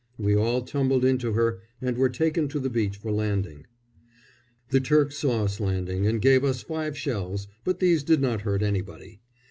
We all tumbled into her and were taken to the beach for landing. The Turks saw us landing and gave us five shells, but these did not hurt anybody.